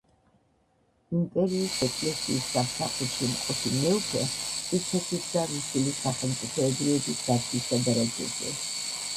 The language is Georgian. იმპერიის ეკლესიის სამსახურში მყოფი მეუფე მტკიცედ იდგა რუსული სახელმწიფოებრიობის დაცვის სადარაჯოზე.